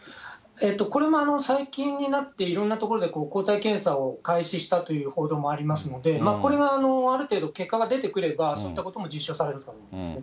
これも最近になっていろんな所で抗体検査を開始したという報道もありますので、これがある程度、結果が出てくれば、そういったことも実証されると思います。